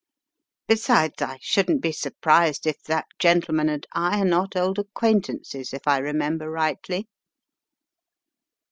"Besides, I shouldn't be surprised if that gentleman and I are not old acquaintances if I remember rightly."